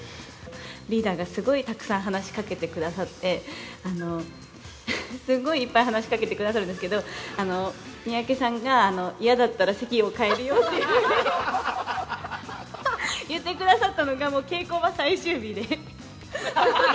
リーダーがすごいたくさん話しかけてくださって、すごいいっぱい話しかけてくださるんですけど、三宅さんが嫌だったら席を変えるよって言ってくださったのが、もう稽古場最終日で。